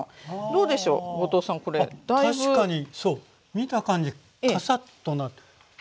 見た感じカサッとえ！